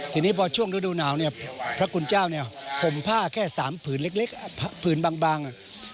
ทีนี้พอช่วงฤดูหนาวเนี่ยพระคุณเจ้าเนี่ยห่มผ้าแค่๓ผืนเล็กผืนบาง